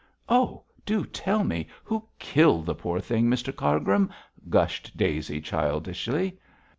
'Oh, do tell me who killed the poor thing, Mr Cargrim,' gushed Daisy, childishly.